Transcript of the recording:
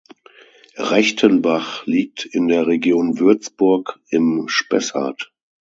Rechtenbach liegt in der Region Würzburg im Spessart.